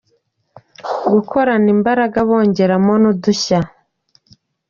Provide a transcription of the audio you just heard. Gukorana imbaraga bongeramo n’udushya.